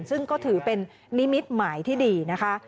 ซึ่งก็ถือเป็นนิมิตหมายที่ดีนะคะ